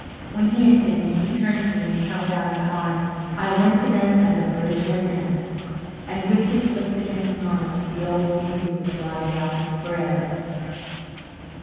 When he had finished he turned to me and held out his arms. I went to them as a bird to her nest, and with his lips against mine the old feud was blotted out forever.